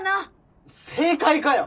正解かよ！